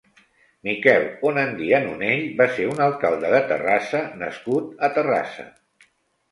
Miquel Onandia Nunell va ser un alcalde de Terrassa nascut a Terrassa.